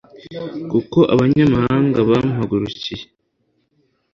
kuko abanyamahanga bampagurukiye